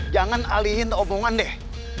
jangan alihin omongan deh